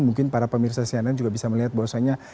mungkin para pemirsa cnn juga bisa melihat bahwasannya